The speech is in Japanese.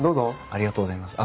ありがとうございます。